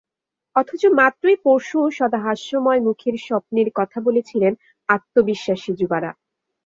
অথচ মাত্রই পরশু সদা হাস্যময় মুখে স্বপ্নের কথা বলেছিলেন আত্মবিশ্বাসী যুবারা।